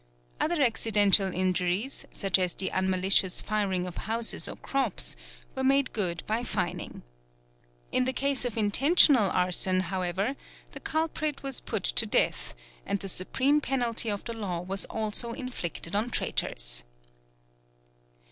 Other accidental injuries, such as the unmalicious firing of houses or crops, were made good by fining. In the case of intentional arson, however, the culprit was put to death; and the supreme penalty of the law was also inflicted on traitors.